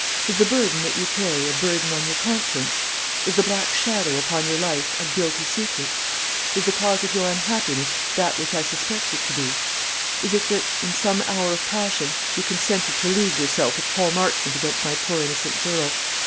Is the burden that you carry a burden on your conscience? Is the black shadow upon your life a guilty secret? Is the cause of your unhappiness that which I suspect it to be? Is it that, in some hour of passion, you consented to league yourself with Paul Marchmont against my poor innocent girl?